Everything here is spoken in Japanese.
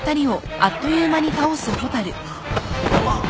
あっ！